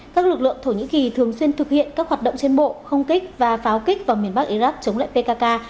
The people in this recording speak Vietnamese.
các lực lượng thổ nhĩ kỳ thường xuyên thực hiện các hoạt động trên bộ không kích và pháo kích vào miền bắc iraq chống lại pkk